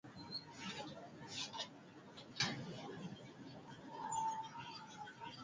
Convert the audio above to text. kumwapisha Waziri Mkuu mapema mwezi huu ikiwa ni changamoto